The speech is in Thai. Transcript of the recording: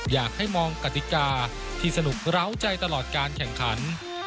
อยากให้มองกติกาที่สนุกร้าวใจตลอดการแข่งขัน